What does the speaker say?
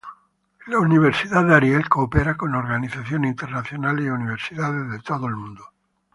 La Universidad de Ariel coopera con organizaciones internacionales y universidades de todo el mundo.